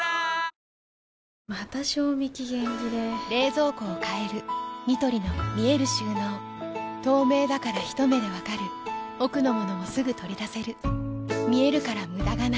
また賞味期限切れ冷蔵庫を変えるニトリの見える収納透明だからひと目で分かる奥の物もすぐ取り出せる見えるから無駄がないよし。